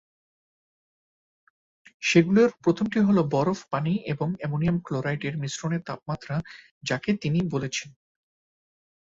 সেগুলোর প্রথম টি হল বরফ, পানি এবং অ্যামোনিয়াম ক্লোরাইড এর মিশ্রণের তাপমাত্রা, যাকে তিনি বলেছেন।